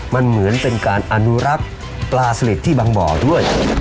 มันเหมือนเป็นการอนุรักษ์ปลาสลิดที่บางบ่อด้วย